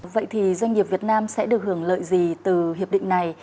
vậy thì doanh nghiệp việt nam sẽ được hưởng lợi gì từ hiệp định này